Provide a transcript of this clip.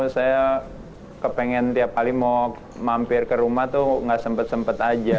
saya kepengen tiap kali mau mampir ke rumah tuh gak sempet sempet aja